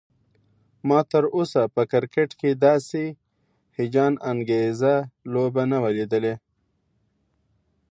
ما تراوسه په کرکټ کې داسې هيجان انګیزه لوبه نه وه لیدلی